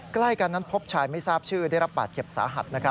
ใกล้กันนั้นพบชายไม่ทราบชื่อได้รับบาดเจ็บสาหัส